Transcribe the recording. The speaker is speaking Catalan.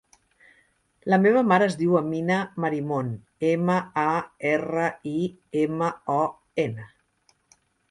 La meva mare es diu Amina Marimon: ema, a, erra, i, ema, o, ena.